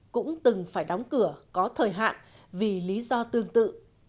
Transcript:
cũng từng phải đóng cửa có thời hạn vì lý do tương tự